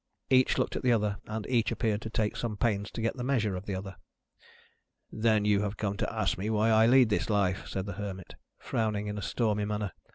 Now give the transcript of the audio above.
Each looked at the other, and each appeared to take some pains to get the measure of the other. "Then you have come to ask me why I lead this life," said the Hermit, frowning in a stormy manner.